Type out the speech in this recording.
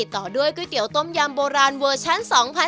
ต่อด้วยก๋วยเตี๋ยต้มยำโบราณเวอร์ชัน๒๐๑๖